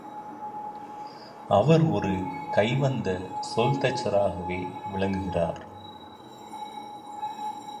அவர் ஒரு கைவந்த சொல்தச்சராகவே விளங்குகிறார்.